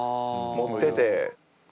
持ってて。